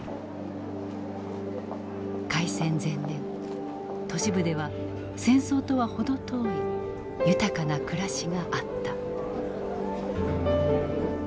開戦前年都市部では戦争とは程遠い豊かな暮らしがあった。